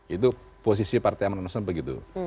itu posisi partai amanat nasional begitu